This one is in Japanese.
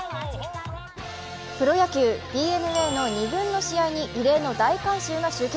プロ野球、ＤｅＮＡの２軍の試合に異例の大観衆が集結。